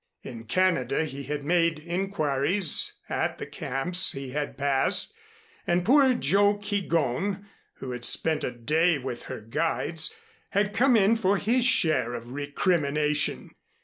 In Canada he had made inquiries at the camps he had passed, and poor Joe Keegón, who had spent a day with her guides, had come in for his share of recrimination.